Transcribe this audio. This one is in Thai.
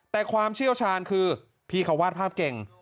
แต่ความเชี่ยวชาญคือพี่เขาวาดภาพเก่ง